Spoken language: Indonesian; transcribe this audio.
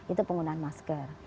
itu penggunaan masker